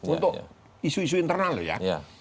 untuk isu isu internal loh ya